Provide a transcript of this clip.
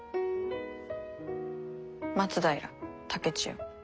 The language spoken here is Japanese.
松平竹千代。